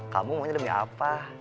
kamu mau nya demi apa